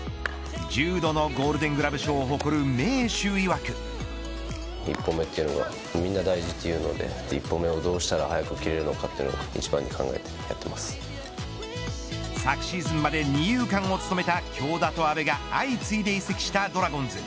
１０度のゴールデン・グラブ賞を誇る名手いわく昨シーズンまで二遊間を務めた京田と阿部が相次いで移籍したドラゴンズ。